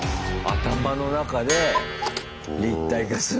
頭の中で立体化する。